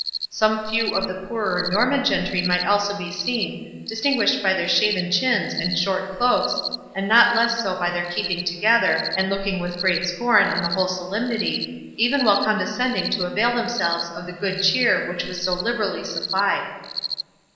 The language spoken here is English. Some few of the poorer Norman gentry might also be seen, distinguished by their shaven chins and short cloaks, and not less so by their keeping together, and looking with great scorn on the whole solemnity, even while condescending to avail themselves of the good cheer which was so liberally supplied.